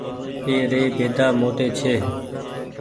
اي ري بيدآ موٽي ڇي۔